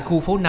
khu phố năm